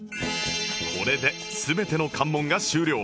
これで全ての関門が終了